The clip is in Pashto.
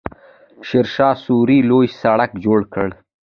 شیرشاه سوري لوی سړک جوړ کړ.